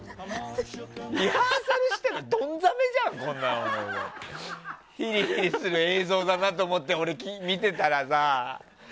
リハーサルしてんのドン冷めじゃん、こんなの。ヒリヒリする映像かなと思って見てたらさ。